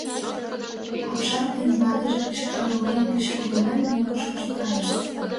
Апшат ден ватыже, кычкырлен-кычкырлен, мӧҥгышкышт кайышт.